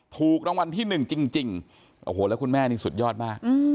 ถูกรางวัลที่หนึ่งจริงโอ้โหแล้วคุณแม่นี่สุดยอดมาก